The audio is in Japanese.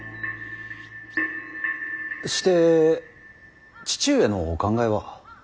して父上のお考えは。